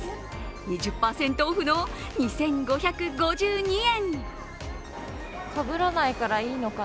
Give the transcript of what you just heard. ２０％オフの２５５２円。